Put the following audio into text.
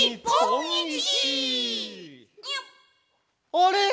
「あれ！